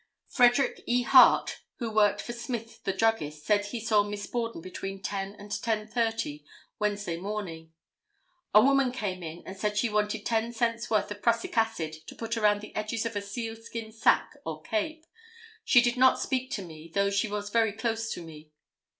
Frederick E. Hart, who worked for Smith the druggist, said he saw Miss Borden between 10 and 10:30 Wednesday morning: "A woman came in and said she wanted ten cents worth of prussic acid to put around the edges of a seal skin sacque or cape. She did not speak to me, though she was very close to me."